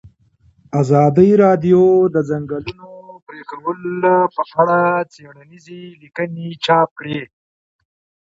ازادي راډیو د د ځنګلونو پرېکول په اړه څېړنیزې لیکنې چاپ کړي.